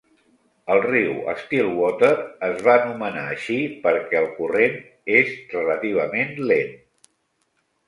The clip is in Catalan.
El riu Stillwater es va anomenar així perquè el corrent és relativament lent.